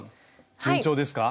順調ですか？